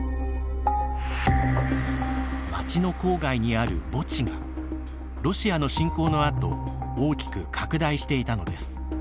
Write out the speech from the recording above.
町の郊外にある墓地がロシアの侵攻のあと大きく拡大していたのです。